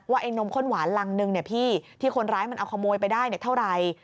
ว่านมข้นหวานหลังหนึ่งเนี่ยพี่ที่คนร้ายมันเอาขโมยไปได้เนี่ยเท่าไร